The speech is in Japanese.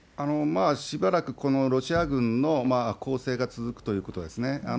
しばらくこのロシア軍の攻勢が続くということですね。